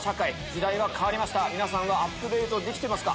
時代が変わりました皆さんはアップデートできてますか？